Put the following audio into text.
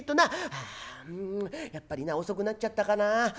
ああうんやっぱりな遅くなっちゃったかな。